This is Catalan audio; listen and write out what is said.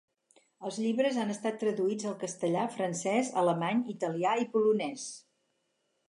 Els llibres han estat traduïts al castellà, francès, alemany, italià i polonès.